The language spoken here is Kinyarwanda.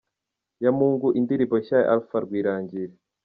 Yamungu, indirimbo nshya ya Alpha Rwirangira.